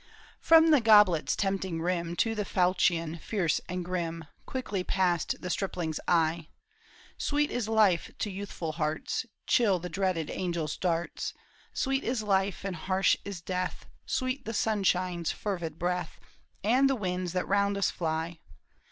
From the goblet's tempting rim To the falchion fierce and grim, Quickly passed the stripling's eye. Sweet is life to youthful hearts. Chill the dreaded angel's darts ; Sweet is life and harsh is death, Sweet the sunshine's fervid breath, And the winds that round us fly.